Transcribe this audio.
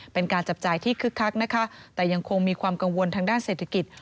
เป็นการจับจ่ายที่คึกคักนะคะแต่ยังคงมีความกังวลทางด้านเศรษฐกิจ